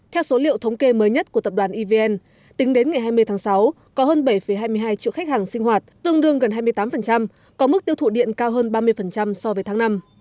theo số liệu thống kê mới nhất của tập đoàn evn tính đến ngày hai mươi tháng sáu có hơn bảy hai mươi hai triệu khách hàng sinh hoạt tương đương gần hai mươi tám có mức tiêu thụ điện cao hơn ba mươi so với tháng năm